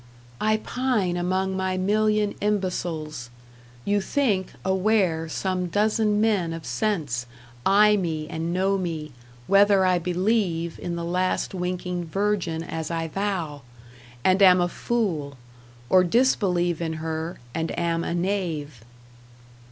I pine among my million imbeciles (You think) aware some dozen men of sense Eye me and know me, whether I believe In the last winking virgin as I vow, And am a fool, or disbelieve in her, And am a knave.